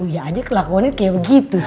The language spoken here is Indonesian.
uya aja kelakuan itu kayak begitu